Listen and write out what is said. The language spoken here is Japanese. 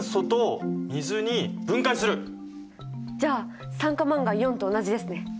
じゃあ酸化マンガンと同じですね。